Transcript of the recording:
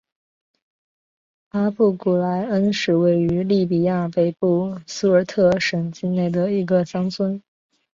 阿布古来恩是位于利比亚北部苏尔特省境内的一个乡村。